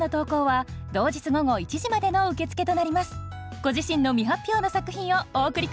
ご自身の未発表の作品をお送り下さい。